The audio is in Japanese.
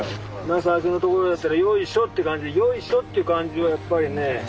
なあ最初の所だったらよいしょって感じでよいしょっていう感じはやっぱりね